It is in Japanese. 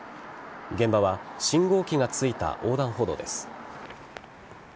現場は信号機がついた横断歩道です。